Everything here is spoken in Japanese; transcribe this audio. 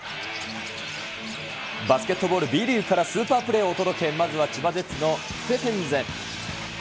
バスケットボールＢリーグからスーパープレーをお届け、まずは千葉ジェッツのステフェンズ。